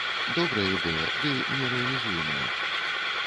Добрая ідэя, ды нерэалізуемая.